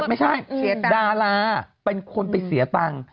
ไม่ใช่ดาราเป็นคนไปเสียตังค์